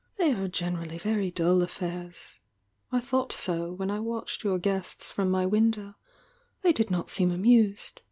"They are generally very dull affairs. I thou^t so, when I watched your guests from my window— they did not seem amused."